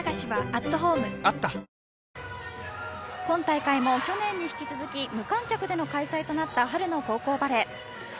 今大会も去年に引き続き無観客での開催となった春の高校バレー。